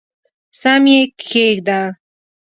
سم یې کښېږده !